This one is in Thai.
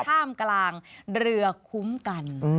ท่ามกลางเรือคุ้มกัน